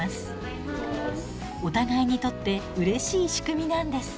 お互いにとってうれしい仕組みなんです。